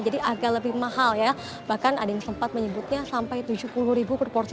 jadi agak lebih mahal ya bahkan ada yang sempat menyebutnya sampai rp tujuh puluh per porsi